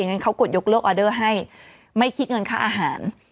งั้นเขากดยกเลิกออเดอร์ให้ไม่คิดเงินค่าอาหาร